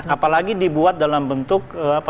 apalagi dibuat dalam bentuk gedogan ya